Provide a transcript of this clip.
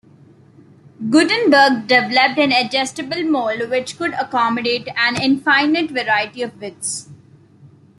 Gutenberg developed an adjustable mold which could accommodate an infinite variety of widths.